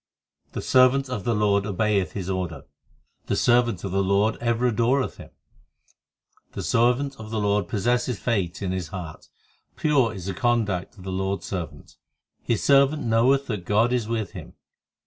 3 The servant of the Lord obeyeth His order, The servant of the Lord ever adoreth Him, The servant of the Lord possesseth faith in his heart ; Pure is the conduct of the Lord s servant : His servant knoweth that God is with him.